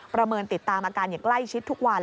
เมินติดตามอาการอย่างใกล้ชิดทุกวัน